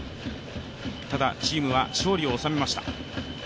ただ、チームは勝利を収めました。